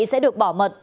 sẽ được bảo mật